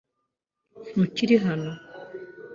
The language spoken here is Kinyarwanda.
Ntukiri hano .